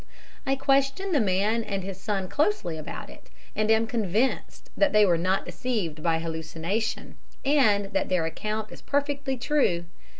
I questioned the man and his son closely about it, and am convinced they were not deceived by hallucination, and that their account is perfectly true."